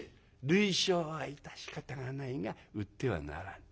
「類焼は致し方がないが売ってはならん」。